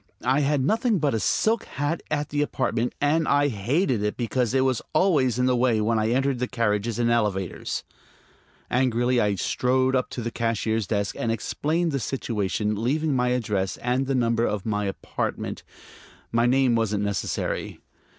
I had nothing but a silk hat at the apartment, and I hated it because it was always in the way when I entered carriages and elevators. Angrily, I strode up to the cashier's desk and explained the situation, leaving my address and the number of my apartment; my name wasn't necessary.